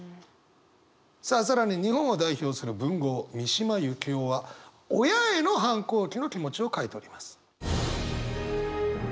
さあ更に日本を代表する文豪三島由紀夫は親への反抗期の気持ちを書いております。